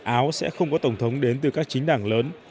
áo sẽ không có tổng thống đến từ các chính đảng lớn